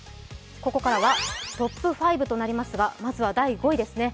ここからはトップ５となりますがまずは第５位ですね。